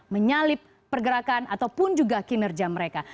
menyalip pergerakan ataupun juga kinerja mereka